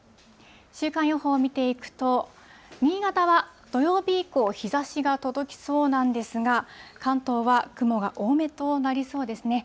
週間予報を見ていくと、新潟は土曜日以降、日ざしが届きそうなんですが、関東は雲が多めとなりそうですね。